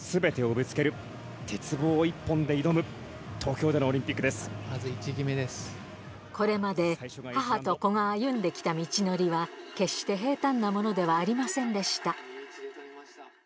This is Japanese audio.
いよいよこれまで母と子が歩んで来た道のりは決して平たんなものではありませんでした